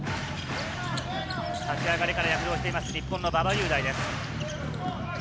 立ち上がりから躍動している日本の馬場雄大です。